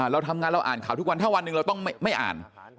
เราทำงานเราอ่านข่าวทุกวันถ้าวันหนึ่งเราต้องไม่อ่าน